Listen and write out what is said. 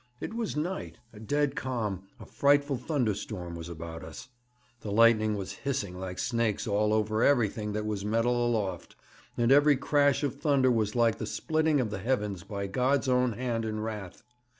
It was night, a dead calm; a frightful thunderstorm was about us; the lightning was hissing like snakes all over everything that was metal aloft, and every crash of thunder was like the splitting of the heavens by God's own hand in wrath.